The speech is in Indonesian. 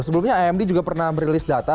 sebelumnya amd juga pernah merilis data